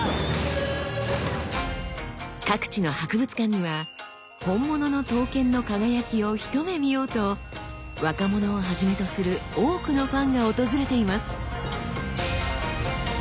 各地の博物館には本物の刀剣の輝きを一目見ようと若者をはじめとする多くのファンが訪れています。